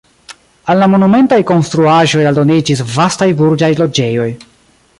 Al la monumentaj konstruaĵoj aldoniĝis vastaj burĝaj loĝejoj.